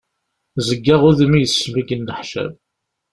Zewwaɣ wudem-is mi yenneḥcam.